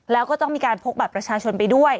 แล้วก็ต้องมีการพกบัตรประชาชนไปด้วย